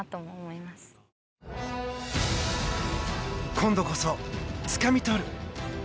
今度こそ、つかみ取る。